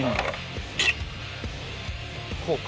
こうか。